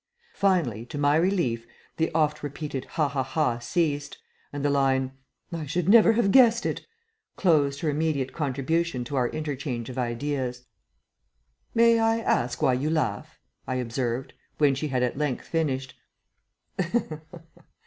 Finally, to my relief, the oft repeated "Ha ha ha!" ceased, and the line, "I never should have guessed it," closed her immediate contribution to our interchange of ideas. "May I ask why you laugh?" I observed, when she had at length finished.